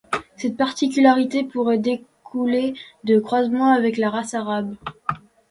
Cette particularité pourrait découler de croisements avec la race arabe.